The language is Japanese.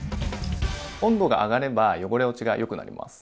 温度が上がれば汚れ落ちがよくなります。